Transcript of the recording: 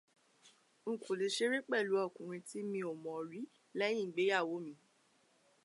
Nkò le ṣeré pẹ̀lú ọkùnrin tí mi ò mọ rí lẹ́yìn ìgbeyàwó mi